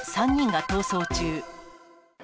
３人が逃走中。